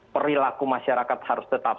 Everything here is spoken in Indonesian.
perilaku masyarakat harus tetap